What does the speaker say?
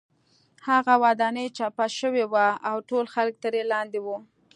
هغه ودانۍ چپه شوې وه او ټول خلک ترې لاندې وو